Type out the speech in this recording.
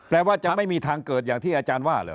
แปลว่าจะไม่มีทางเกิดอย่างที่อาจารย์ว่าเหรอ